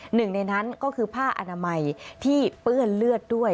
หนึ่งในนั้นก็คือผ้าอนามัยที่เปื้อนเลือดด้วย